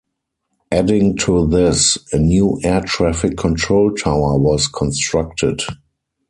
Adding to this, a new air traffic control tower was constructed.